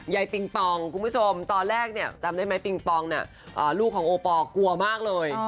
ใยปิงปองคุณผู้ชมตอนแรกจำได้ไหมปิงปองลูกของโอปอล์กลัวมากเลย